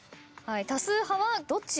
多数派はどっち？